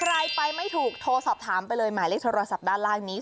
ใครไปไม่ถูกโทรสอบถามไปเลยหมายเลขโทรศัพท์ด้านล่างนี้